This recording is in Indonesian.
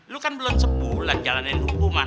lu kan belum sebulan jalanin hukuman